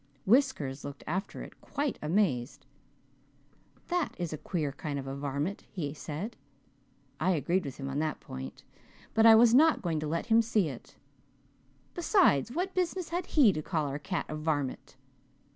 Whiskers looked after it quite amazed. 'That is a queer kind of a varmint,' he said. I agreed with him on that point, but I was not going to let him see it. Besides, what business had he to call our cat a varmint?